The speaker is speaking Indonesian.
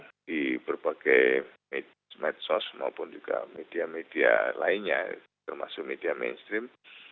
jadi berbagai medsos maupun juga media media lainnya termasuk media mainstream